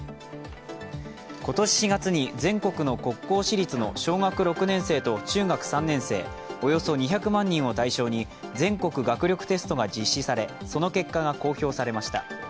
今年４月に全国の国公私立の小学６年生と中学３年生およそ２００万人を対象に全国学力テストが実施されその結果が公表されました。